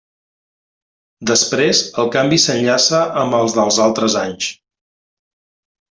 Després, el canvi s'enllaça amb el dels altres anys.